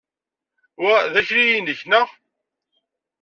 Wa d akli-inek, neɣ?